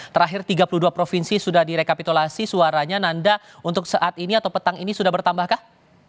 terakhir tiga puluh dua provinsi sudah direkapitulasi suaranya nanda untuk saat ini atau petang ini sudah bertambahkah